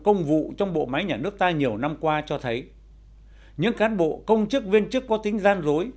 công vụ trong bộ máy nhà nước ta nhiều năm qua cho thấy những cán bộ công chức viên chức có tính gian dối